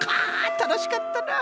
たのしかったな。